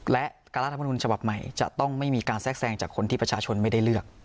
และการรัฐมนุนฉบับใหม่จะต้องไม่มีการแทรกแทรงจากคนที่ประชาชนไม่ได้เลือก